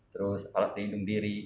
terus alat tindung diri